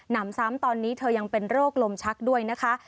นำซ้ำตอนนี้เธอยังเป็นโรคลมชักด้วยนะคะ